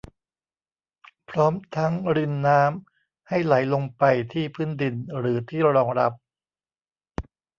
พร้อมทั้งรินน้ำให้ไหลลงไปที่พื้นดินหรือที่รองรับ